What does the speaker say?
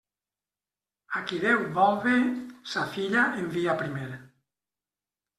A qui Déu vol bé, sa filla envia primer.